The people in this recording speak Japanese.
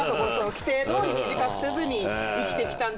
規定どおり短くせずに生きてきたんですけど。